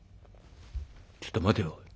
「ちょっと待ておい。